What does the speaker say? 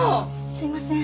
すいません。